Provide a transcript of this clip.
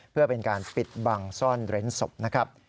เพื่อเป็นการปิดบังซ่อนเร้นศพนะครับ